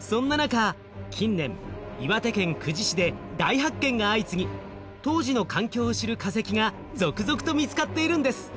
そんな中近年岩手県久慈市で大発見が相次ぎ当時の環境を知る化石が続々と見つかっているんです。